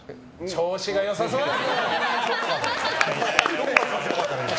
調子が良さそうです！